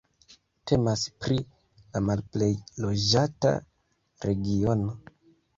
Temas pri la malplej loĝata regiono.